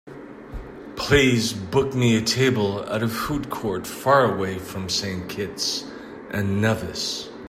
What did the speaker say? Please book me a table at a food court faraway from Saint Kitts and Nevis.